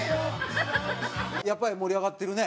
やっぱり盛り上がってるね。